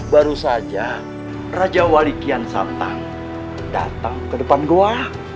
baru saja raja wali kian santang datang ke depan goa